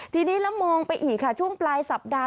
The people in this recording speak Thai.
ทีนี้แล้วมองไปอีกค่ะช่วงปลายสัปดาห